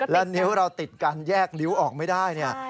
แล้วนิ้วเราติดกันแยกนิ้วออกไม่ได้เนี่ย